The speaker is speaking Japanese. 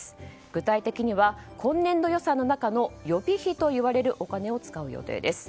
具体的には今年度予算の中の予備費と呼ばれるお金を使う予定です。